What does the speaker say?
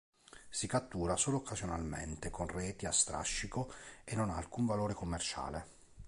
Si cattura solo occasionalmente con reti a strascico e non ha alcun valore commerciale.